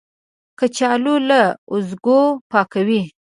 کچالو له وازګو پاکوي